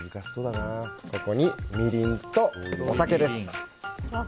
ここにみりんとお酒です。